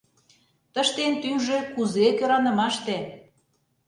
Тыште эн тӱҥжӧ кузе кӧранымаште.